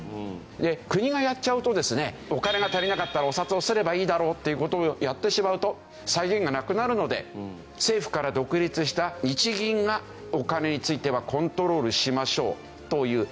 で国がやっちゃうとですねお金が足りなかったらお札を刷ればいいだろっていう事をやってしまうと際限がなくなるので政府から独立した日銀がお金についてはコントロールしましょうという。